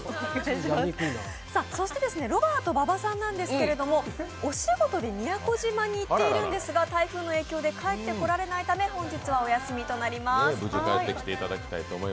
ロバート・馬場さんなんですけどお仕事で宮古島に行っているんですが、台風の影響で帰ってこられないため、本日はお休みとなります。